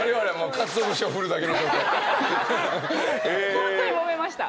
ホントにもめました。